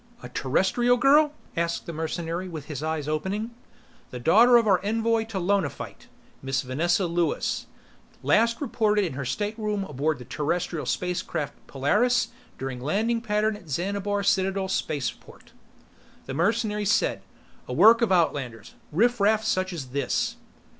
A Terrestrial girl?" asked the mercenary with his eyes opening. "The daughter of our envoy to Lonaphite. Miss Vanessa Lewis. Last reported in her stateroom aboard the Terrestrial Spacecraft Polaris during landing pattern at Xanabar Citadel Spaceport." The mercenary said, "The work of outlanders riffraff such as this!"